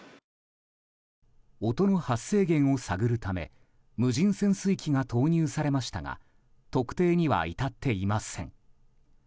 音の発生源を探るため無人潜水機が投入されましたが特定には至っていません。